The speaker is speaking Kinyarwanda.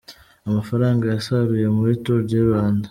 Amafaranga yasaruye muri Tour du Rwanda .